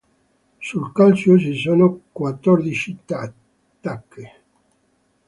Sul calcio ci sono quattordici tacche.